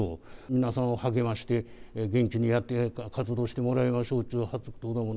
皆さんを励まして、元気にやって活動してもらいましょうという活動だもの。